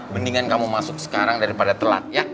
mendingan kamu masuk sekarang daripada telat ya